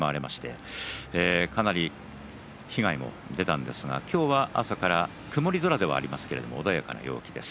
かなり被害も出たんですけれど今日は、朝から曇り空ではありますが、穏やかな陽気です。